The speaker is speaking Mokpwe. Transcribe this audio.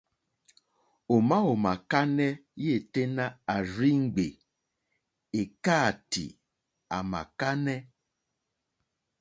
Òmá ò mà kánɛ́ yêténá à rzí ŋgbè èkáàtì à màkánɛ́.